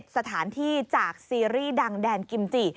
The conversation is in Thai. สถานที่จากซีรีส์ดังแดนกิมจิ